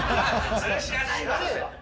そら知らないわ！